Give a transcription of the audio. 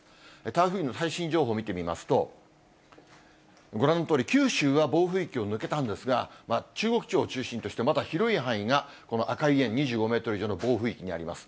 台風の最新情報を見てみますと、ご覧のとおり、九州は暴風域を抜けたんですが、中国地方を中心として、まだ広い範囲がこの赤い円、２５メートル以上の暴風域にあります。